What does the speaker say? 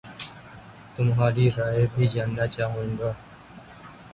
تمہاری رائے بھی جاننا چاہوں گا